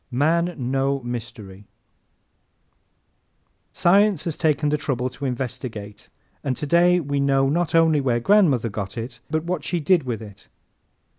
Man No Mystery ¶ Science has taken the trouble to investigate and today we know not only where grandmother got it but what she did with it.